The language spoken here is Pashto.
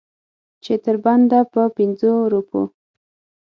چې تر بنده په پنځو روپو.